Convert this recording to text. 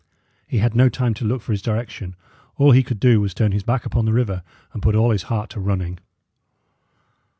He had no time to look for his direction; all he could do was to turn his back upon the river, and put all his heart to running.